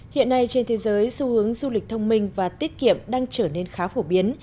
hiện nay trên thế giới xu hướng du lịch thông minh và tiết kiệm đang trở nên khá phổ biến